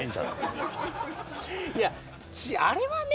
いやあれはね